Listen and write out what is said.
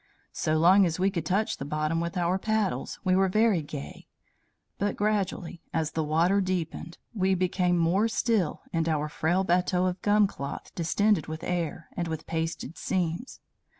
So long as we could touch the bottom with our paddles, we were very gay; but gradually, as the water deepened, we became more still in our frail bateau of gum cloth distended with air, and with pasted seams.